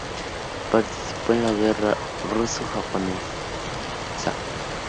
Participó en la Guerra Ruso-Japonesa.